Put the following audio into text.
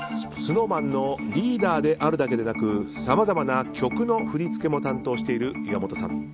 ＳｎｏｗＭａｎのリーダーであるだけでなくさまざまな曲の振り付けも担当している岩本さん。